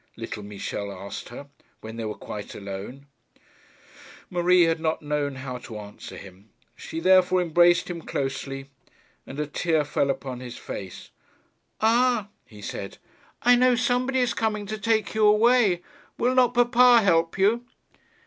little Michel asked her, when they were quite alone. Marie had not known how to answer him. She had therefore embraced him closely, and a tear fell upon his face. 'Ah,' he said, 'I know somebody is coming to take you away. Will not papa help you?'